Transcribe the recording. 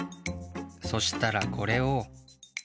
そしたらこれを。